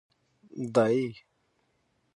دی.